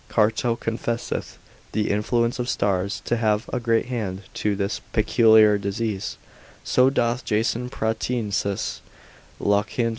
Carto confesseth the influence of stars to have a great hand to this peculiar disease, so doth Jason Pratensis, Lonicerius praefat.